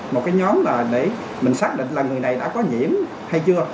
một cái nhóm là để mình xác định là người này đã có nhiễm hay chưa